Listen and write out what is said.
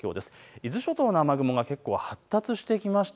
伊豆諸島の雨雲、結構発達してきました。